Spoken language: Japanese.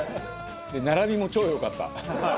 並びも超良かった。